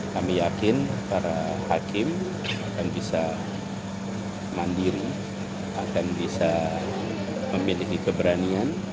kami yakin para hakim akan bisa mandiri akan bisa memiliki keberanian